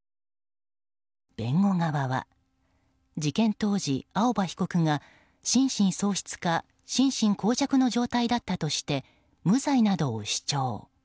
弁護側は事件当時、青葉被告が心神喪失か心身耗弱の状態だったとして無罪などを主張。